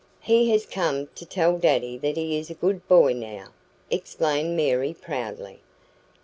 "He has come to tell daddy that he is a good boy now," explained Mary proudly.